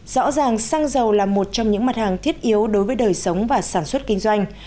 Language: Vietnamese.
rõ ràng xăng dầu là một trong những mặt hàng thiết yếu đối với đời sống và sản xuất kinh doanh